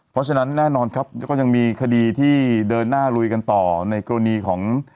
เพราะฉะนั้นแน่นอนครับก็ยังมีคดีที่เดินหน้าลุยกันต่อในกรณีของ